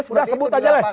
udah sebut aja lah